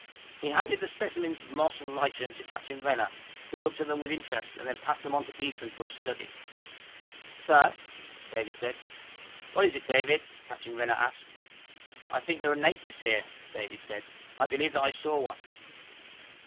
He handed the specimens of moss and lichen to Captain Renner, who looked at them with interest, and then passed them on to Beeson for his study. "Sir?" David said. "What is it, David?" Captain Renner asked. "I think there are natives here," David said. "I believe that I saw one."